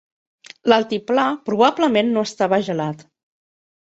L'altiplà probablement no estava gelat.